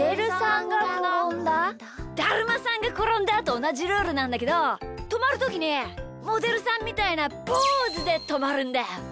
「だるまさんがころんだ」とおなじルールなんだけどとまるときにモデルさんみたいなポーズでとまるんだよ。